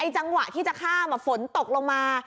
จังหวะที่จะข้ามฝนตกลงมา